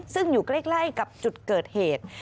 ซึ่งอยู่ใกล้กับจุดเกิดเหตุ